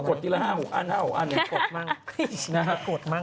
กดทีละ๕๖อันอันหนึ่งกดบ้าง